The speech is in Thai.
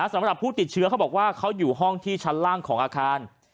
สำหรับผู้ติดเชื้อเขาบอกว่าเขาอยู่ห้องที่ชั้นล่างของอาคาร